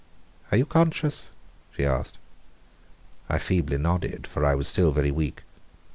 "Are you conscious?" she asked. I feebly nodded for I was still very weak.